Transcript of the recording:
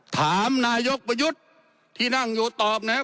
ถามนายกประยุทธ์ที่นั่งอยู่ตอบนะครับ